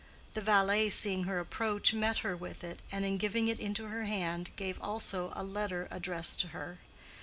The valet, seeing her approach, met her with it, and in giving it into her hand gave also a letter addressed to her.